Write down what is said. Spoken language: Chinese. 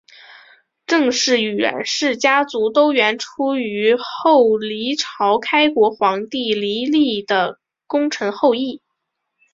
郑氏与阮氏家族都源出于后黎朝开国皇帝黎利的功臣后裔。